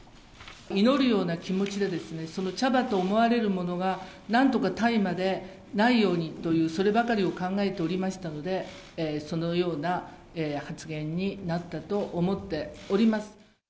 祈るような気持ちで、その茶葉と思われるものが、なんとか大麻でないようにという、そればかりを考えておりましたので、そのような発言になったと思っております。